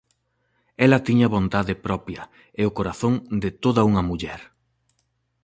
Ela tiña vontade propia, e o corazón de toda unha muller.